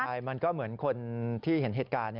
ใช่มันก็เหมือนคนที่เห็นเหตุการณ์